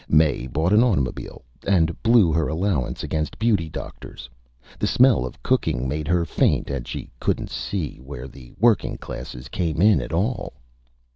Mae bought an Automobile, and blew her Allowance against Beauty Doctors. The Smell of Cooking made her Faint, and she couldn't see where the Working Classes came in at all.